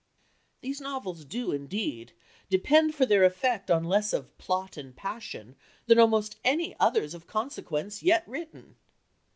These novels do, indeed, depend for their effect on less of "plot and passion" than almost any others of consequence yet written.